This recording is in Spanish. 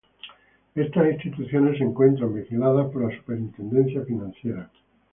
Estas instituciones se encuentran vigiladas por la Superintendencia Financiera.